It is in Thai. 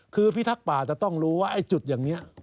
คือพิทักษ์ป่าจะต้องรู้ว่าไอ้จุดอย่างนี้